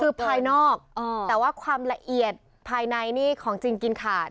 คือภายนอกแต่ว่าความละเอียดภายในนี่ของจริงกินขาด